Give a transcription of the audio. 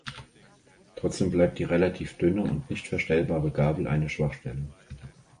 Trotzdem bleibt die relativ dünne und nicht verstellbare Gabel eine Schwachstelle.